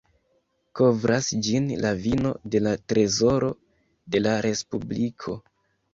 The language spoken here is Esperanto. Kovras ĝin la vino de la trezoro de la respubliko.